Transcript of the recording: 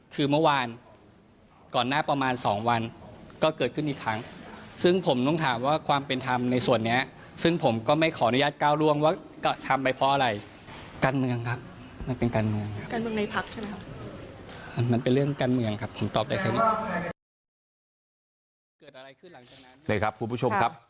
การเมืองในพักษ์ใช่ไหมครับ